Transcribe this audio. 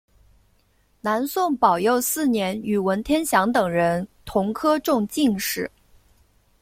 南宋宝佑四年与文天祥等人同科中进士。